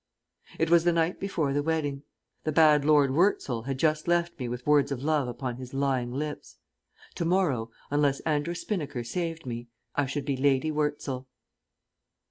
It was the night before the wedding. The bad Lord Wurzel had just left me with words of love upon his lying lips. To morrow, unless Andrew Spinnaker saved me, I should be Lady Wurzel.